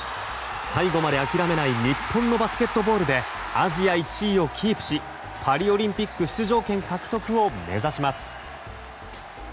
最後まで諦めない日本のバスケットボールでアジア１位をキープしパリオリンピック出場権獲得を目指します。